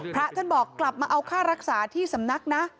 พระท่านบอกกลับมาเอาค่ารักษาที่สำนักนะ